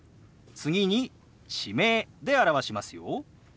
次に地名で表しますよ。